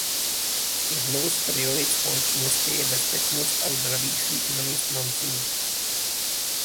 Jednou z priorit společnosti je bezpečnost a zdraví svých zaměstnanců.